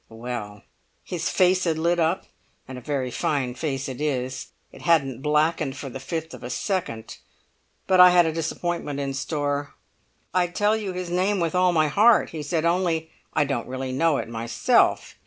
"Well, his face had lit up, and a very fine face it is; it hadn't blackened for the fifth of a second; but I had a disappointment in store. 'I'd tell you his name with all my heart,' he said, 'only I don't really know it myself.